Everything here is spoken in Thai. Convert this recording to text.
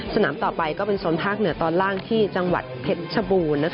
สนามต่อไปก็เป็นโซนภาคเหนือตอนล่างที่จังหวัดเพชรชบูรณ์